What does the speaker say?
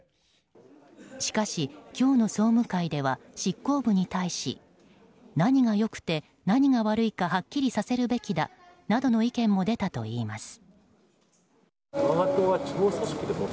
しかし、今日の総務会では執行部に対し何が良くて、何が悪いかはっきりさせるべきだなどの意見も出たといいます。